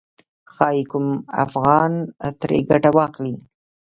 ښايي کوم افغان ترې ګټه واخلي.